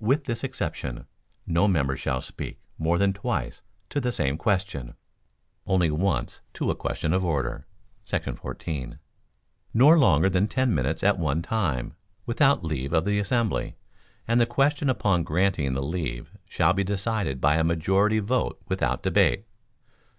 With this exception, no member shall speak more than twice to the same question (only once to a question of order, § 14), nor longer than ten minutes at one time, without leave of the assembly, and the question upon granting the leave shall be decided by a majority vote without debate.